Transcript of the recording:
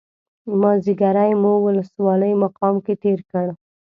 مازیګری مو ولسوالۍ مقام کې تېر کړ.